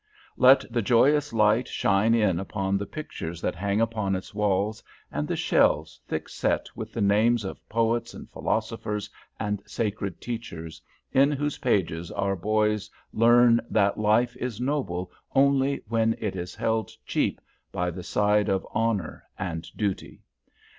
Let the joyous light shine in upon the pictures that hang upon its walls and the shelves thick set with the names of poets and philosophers and sacred teachers, in whose pages our boys learn that life is noble only when it is held cheap by the side of honor and of duty.